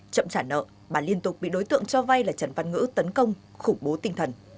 chậm trả nợ bà liên tục bị đối tượng cho vay là trần văn ngữ tấn công khủng bố tinh thần